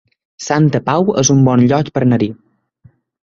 Santa Pau es un bon lloc per anar-hi